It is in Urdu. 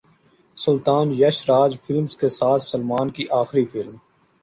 سلطان یش راج فلمز کے ساتھ سلمان کی اخری فلم